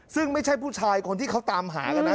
ซึ่งไม่ใช่ผู้ชายคนที่เขาตามหากันนะ